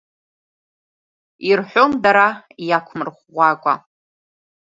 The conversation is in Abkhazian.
Ирҳәон дара иақәмырӷәӷәакәа…